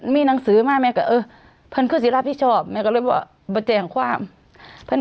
ไม่สื่อกัน